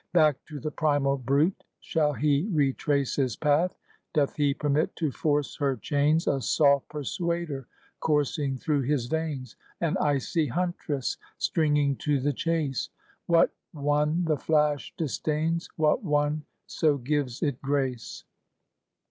Back to the primal brute shall he retrace His path, doth he permit to force her chains A soft Persuader coursing through his veins, An icy Huntress stringing to the chase: What one the flash disdains; What one so gives it grace.